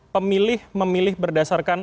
pemilih memilih berdasarkan